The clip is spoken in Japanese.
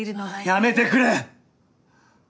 やめてくれ！